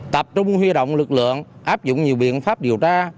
tập trung huy động lực lượng áp dụng nhiều biện pháp điều tra